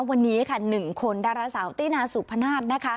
วันนี้ค่ะ๑คนดาราสาวตินาสุพนาศนะคะ